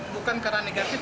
bukan karena negatif